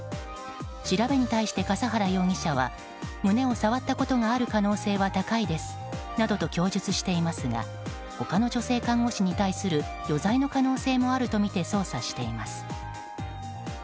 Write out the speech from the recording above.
調べに対して笠原容疑者は胸を触ったことがある可能性は高いですなどと供述していますが他の女性看護師に対する余罪の可能性もあるとみて捜査しています。